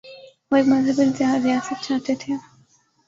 وہ ایک مذہبی ریاست چاہتے تھے؟